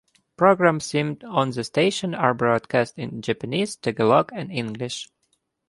Programs seen on the station are broadcast in Japanese, Tagalog, and English.